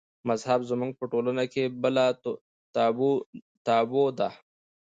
مذهب زموږ په ټولنه کې بله تابو ده.